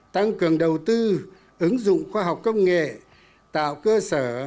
tăng cường đầu tư ứng dụng khoa học công nghệ tạo cơ sở